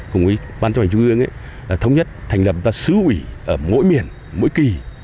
cùng với ban chấp hành trung ương thống nhất thành lập sứ ủy ở mỗi miền mỗi kỳ